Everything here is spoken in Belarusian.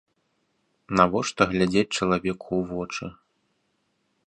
Навошта глядзець чалавеку ў вочы?